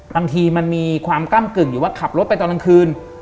บางทีมันมีความก้ำกึ่งอยู่ว่าขับรถไปตอนกลางคืน